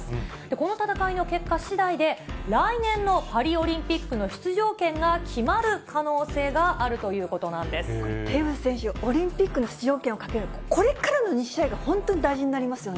この戦いの結果しだいで、来年のパリオリンピックの出場権が決まる可能性があるということテーブス選手、オリンピックの出場権をかける、これからの２試合が、本当に大事になりますよ